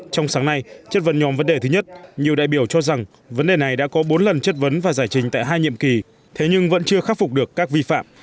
trong sáng nay chất vấn nhóm vấn đề thứ nhất nhiều đại biểu cho rằng vấn đề này đã có bốn lần chất vấn và giải trình tại hai nhiệm kỳ thế nhưng vẫn chưa khắc phục được các vi phạm